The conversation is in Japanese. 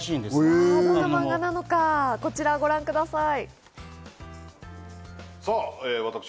どんな内容なのか、こちらをご覧ください。